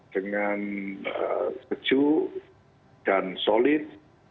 dengan sejuk dan solid